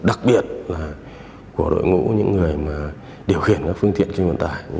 đặc biệt là của đội ngũ những người mà điều khiển các phương tiện kinh doanh tải